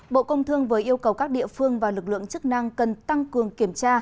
bộ công thương vừa yêu cầu các địa phương và lực lượng chức năng cần tăng cường kiểm tra